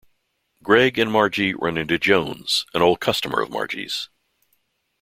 Gregg and Margy run into Jones, an old customer of Margy's.